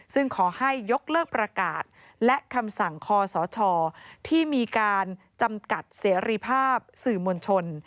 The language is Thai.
ซึ่งขอให้ยกเลิกประกาศและคำสั่งคอสชที่มีการจำกัดเสรีภาพสื่อมวลชน